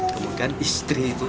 kemudian istri itu